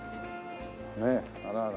ねえあらあらあら。